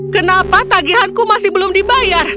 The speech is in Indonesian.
kenapa tagihanku masih belum dibayar